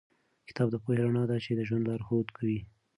کتاب د پوهې رڼا ده چې د ژوند لارښود کوي.